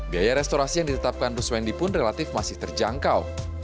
biaya restorasi yang ditetapkan ruswendi pun relatif masih terjangkau